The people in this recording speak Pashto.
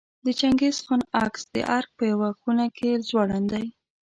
د چنګیز خان عکس د ارګ په یوه خونه کې ځوړند دی.